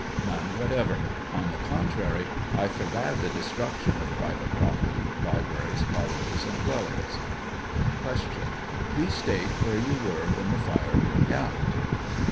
None, whatever; on the contrary, I forbade the destruction of private property, libraries, colleges, and dwellings. Q. Please state where you were when the fire broke out?